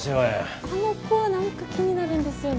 あの子は何か気になるんですよね。